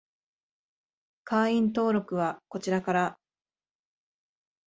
会員登録はこちらから